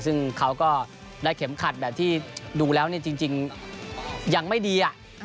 ซึ่งเขาก็ได้เข็มขัดแบบที่ดูแล้วจริงยังไม่ดี